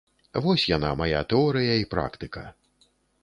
Вось яна, мая тэорыя і практыка.